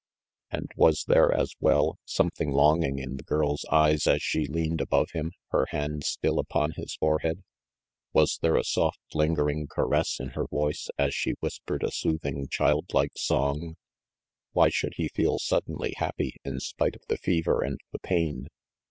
And was there, as well, something longing in the girl's eyes as she leaned above him, her hand still upon his forehead? Was there a soft, lingering caress in her voice as she whispered a soothing, child like song? Why should he feel suddenly happy, in spite of the fever and the pain?